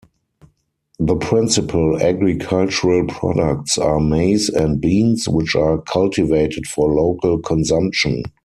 The principal agricultural products are maize and beans, which are cultivated for local consumption.